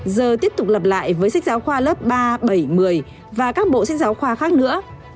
giờ tiếp tục lập lại với sách giáo khoa lớp ba bảy một mươi và các bộ sách giáo khoa khác nữa